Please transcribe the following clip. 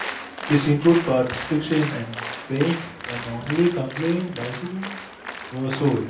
This included part specifications and paint, and only complete bicycles were sold.